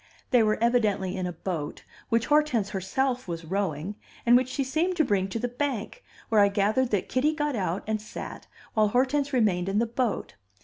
They were evidently in a boat, which Hortense herself was rowing, and which she seemed to bring to the bank, where I gathered that Kitty got out and sat while Hortense remained in the boat.